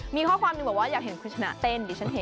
มีข้อความหนึ่งบอกว่าอยากเห็นคุณชนะเต้นดิฉันเห็น